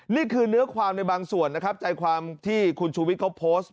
นี่คือเนื้อความในบางส่วนนะครับใจความที่คุณชูวิทย์เขาโพสต์